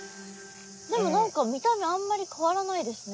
でも何か見た目あんまり変わらないですね。